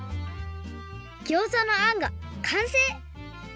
ギョーザのあんがかんせい！